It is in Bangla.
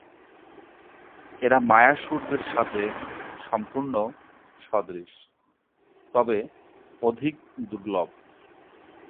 এরা মায়া সূর্যের সাথে সম্পূর্ণ সদৃশ, তবে অধিক দুর্লভ।